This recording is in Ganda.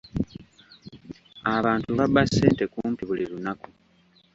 Abantu babba ssente kumpi buli lunaku.